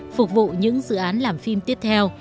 phục vụ những dự án làm phim tiếp theo